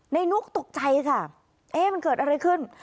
นุกตกใจค่ะเอ๊ะมันเกิดอะไรขึ้น